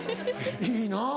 いいなぁ。